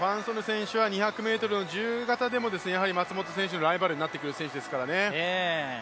２００ｍの自由形でも松元選手のライバルになってくる選手ですからね。